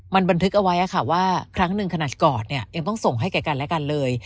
มันบันทึกเอาไว้ว่าครั้งหนึ่งขนาดกอดเนี่ยยังต้องส่งให้แก่กันและกันเลย